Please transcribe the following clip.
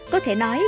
có thể nói